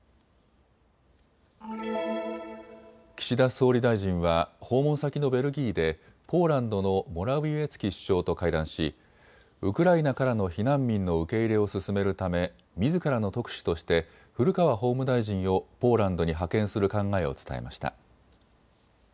岸田総理大臣は訪問先のベルギーでポーランドのモラウィエツキ首相と会談しウクライナからの避難民の受け入れを進めるためみずからの特使として古川法務大臣をポーランドに派遣する考えを伝えました。